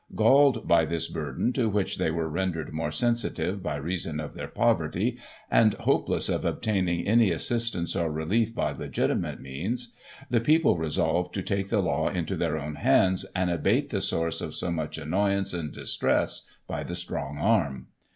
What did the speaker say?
Galled by this burden, to which they were rendered more sensitive by reason of their poverty, and hopeless of obtaining any assistance or relief by legitimate means, the people resolved to take the law in their own hands, and abate the source of so much annoyance and distress by the strong arm.